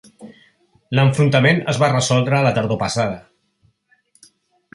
L'enfrontament es va resoldre la tardor passada.